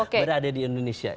berada di indonesia